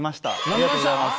ありがとうございます。